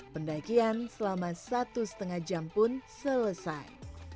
pendakian selama satu setengah jam pun selesai